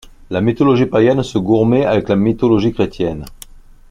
La mythologie païenne se gourmait avec la mythologie chrétienne.